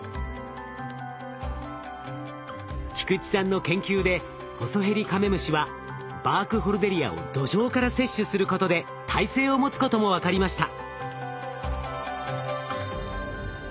菊池さんの研究でホソヘリカメムシはバークホルデリアを土壌から摂取することで耐性を持つことも分かりました。